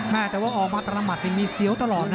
แม่แต่ว่าออกมาตลาดมัดยังมีเสียวตลอดนะ